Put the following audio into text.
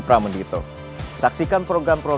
berapa lama pak ngantrinya pak